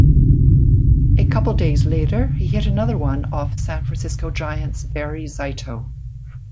A couple days later he hit another one off San Francisco Giants' Barry Zito.